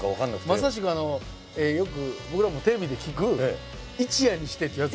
まさしくよく僕らもテレビで聞く「一夜にして」ってやつ。